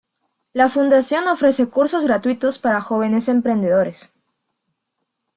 La fundación ofrece cursos gratuitos para jóvenes emprendedores.